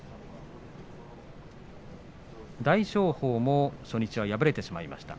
大翔鵬も初日は敗れてしまいました。